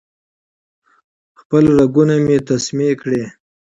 خپل رګونه مې تسمې کړې